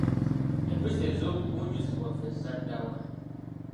Empisa ez’obugunjuzi bwaffe zadda wa?